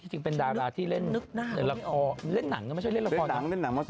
จริงเป็นดาราที่เล่นเออเล่นหนังอ่ะไม่ใช่เล่นละครเล่นหนัง